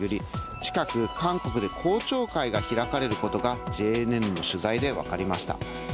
近く、韓国で公聴会が開かれることがＪＮＮの取材で分かりました。